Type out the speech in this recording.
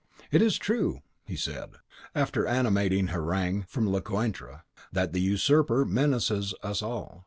"It is true," he said, after an animating harangue from Lecointre, "that the Usurper menaces us all.